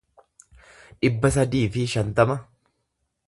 dhibba sadii fi shantama